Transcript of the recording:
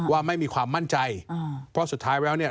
ว่าไม่มีความมั่นใจเพราะสุดท้ายแล้วเนี่ย